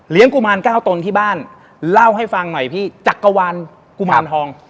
เลี้ยงกุมาร๙ตนที่บ้านเล่าให้ฟังหน่อยพี่จักกะวันกุมารทอง